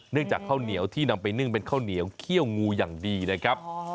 จากข้าวเหนียวที่นำไปนึ่งเป็นข้าวเหนียวเขี้ยวงูอย่างดีนะครับ